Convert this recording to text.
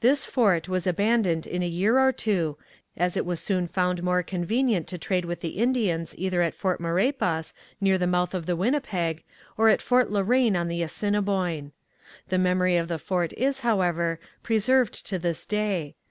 This fort was abandoned in a year or two, as it was soon found more convenient to trade with the Indians either at Fort Maurepas near the mouth of the Winnipeg, or at Fort La Reine on the Assiniboine. The memory of the fort is, however, preserved to this day.